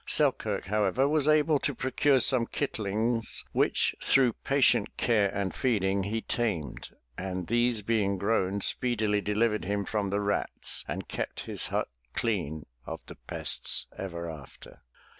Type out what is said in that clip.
Selkirk, however, was able to procure some kitlings which through patient care and feeding he tamed, and these being grown, speedily delivered him from the rats and kept his hut clean of the pests ever after.